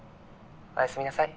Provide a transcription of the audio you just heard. おやすみなさい。